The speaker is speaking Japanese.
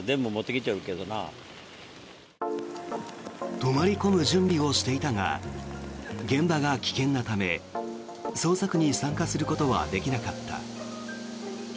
泊まり込む準備をしていたが現場が危険なため捜索に参加することはできなかった。